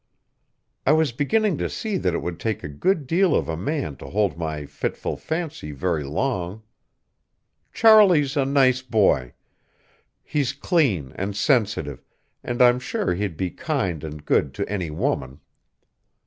I was beginning to see that it would take a good deal of a man to hold my fitful fancy very long. Charlie's a nice boy. He's clean and sensitive, and I'm sure he'd be kind and good to any woman.